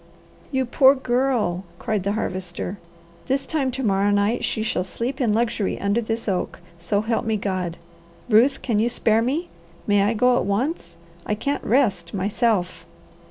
"You poor Girl!" cried the Harvester. "This time to morrow night she shall sleep in luxury under this oak, so help me God! Ruth, can you spare me? May I go at once? I can't rest, myself."